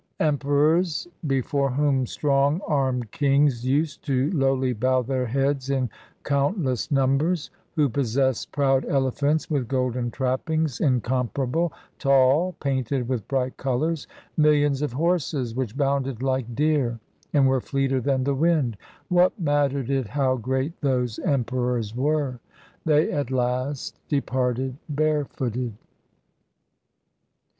II Emperors before whom strong armed kings used to lowly bow their heads in countless numbers ; 2 Who possessed proud elephants with golden trappings, incomparable, tall, painted with bright colours ; Millions of horses which bounded like deer, and were fleeter than the wind — What mattered it how great those emperors were ? they at last departed barefooted.